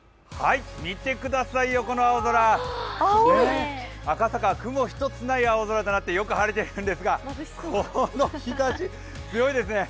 見てくださいよ、この青空、赤坂、雲一つない青空となってよく晴れているんですが、この日ざし、強いですね。